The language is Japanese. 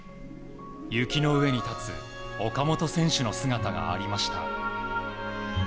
雪の上に立つ岡本選手の姿がありました。